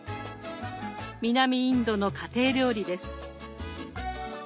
南インドの家庭料理です。